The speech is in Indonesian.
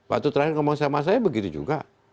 waktu terakhir ngomong sama saya begitu juga